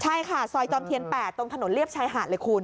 ใช่ค่ะซอยจอมเทียน๘ตรงถนนเรียบชายหาดเลยคุณ